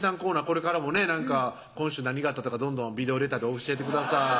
これからもねなんか今週何があったとかどんどんビデオレターで教えてください